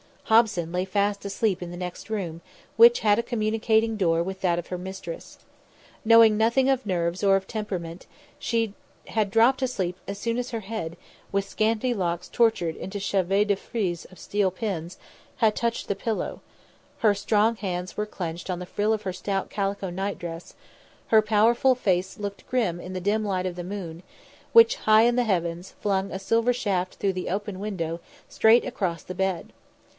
Hobson lay fast asleep in the next room, which had a communicating door with that of her mistress. Knowing nothing of nerves or of temperament, she had dropped asleep as soon as her head, with scanty locks tortured into a chevaux de frise of steel pins, had touched the pillow; her strong hands were clenched on the frill of her stout calico nightdress; her powerful face looked grim in the dim light of the moon, which, high in the heavens, flung a silver shaft through the open window straight across the bed.